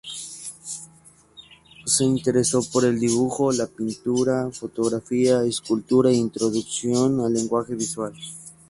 Se interesó por el dibujo, la pintura, fotografía, escultura e introducción al lenguaje visual.